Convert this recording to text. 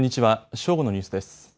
正午のニュースです。